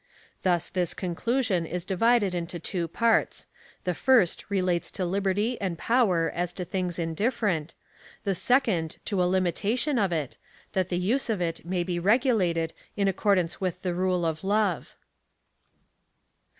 Thus this conclusion is divided into two parts : the fi7^st re lates to liberty and power as to things indifferent : the second to a limitation of it — that the use of it may be regulated in accordance with the rule of love.